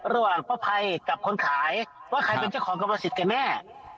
ระหว่างป้าภัยกับคนขายว่าใครเป็นเจ้าของกรรมสิทธิ์กันแน่